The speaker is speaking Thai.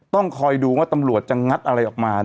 ต้องคอยดูว่าตำรวจจะงัดอะไรออกมา